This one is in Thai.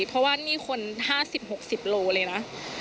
เพราะว่านี่คน๕๐๖๐โลเลยนะ